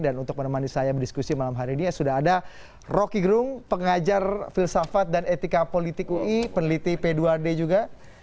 dan untuk menemani saya berdiskusi malam hari ini sudah ada rocky grung pengajar filsafat dan etika politik ui peneliti p dua d juga